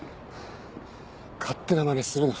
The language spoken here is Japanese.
勝手なまねするな。